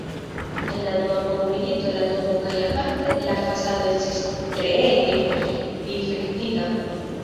En la Dua Mondmilito la domo kaj aparte la fasado estis treege difektita.